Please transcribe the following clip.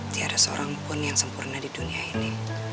tidak ada seorang pun yang sempurna di dunia ini